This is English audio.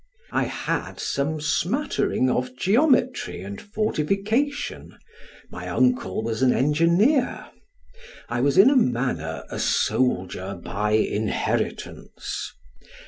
I had some smattering of geometry and fortification; my uncle was an engineer; I was in a manner a soldier by inheritance.